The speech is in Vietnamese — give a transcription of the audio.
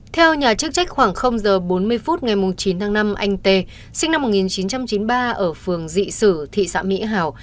theo nhà chức trách khoảng giờ bốn mươi phút ngày chín tháng năm anh tê sinh năm một nghìn chín trăm chín mươi ba ở phường dị sử thị xã mỹ hảo